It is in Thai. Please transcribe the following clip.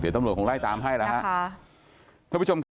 เดี๋ยวตำรวจคงไล่ตามให้แล้วค่ะ